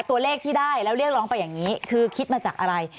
ตัวเลขที่ได้แล้วเรียกร้องไปอย่างนี้คือคิดมาจากอะไร